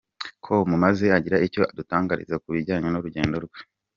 com maze agira icyo adutangariza kubijyanye n’urugendo rwe.